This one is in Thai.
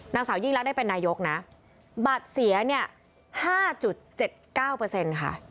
นางสาวยิ่งรักได้เป็นนายยกนะบัตรเสียเนี่ยห้าจุดเจ็ดเก้าเปอร์เซ็นต์ค่ะ